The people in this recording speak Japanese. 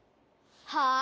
はあ？